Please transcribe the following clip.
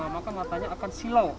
maka matanya akan silau